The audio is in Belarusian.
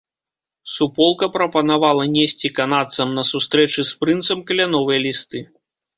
Суполка прапанавала несці канадцам на сустрэчы з прынцам кляновыя лісты.